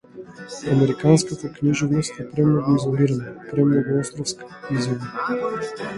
Американската книжевност е премногу изолирана, премногу островска, изјави.